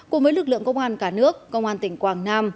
cùng với lực lượng công an cả nước công an tỉnh quảng nam